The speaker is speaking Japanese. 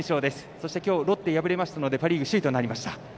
そして今日ロッテ敗れましたのでパ・リーグ首位となりました。